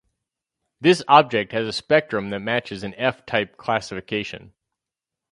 This object has a spectrum that matches an F-type classification.